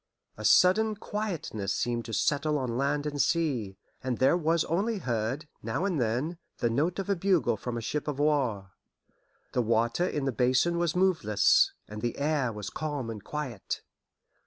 A sudden quietness seemed to settle on land and sea, and there was only heard, now and then, the note of a bugle from a ship of war. The water in the basin was moveless, and the air was calm and quiet.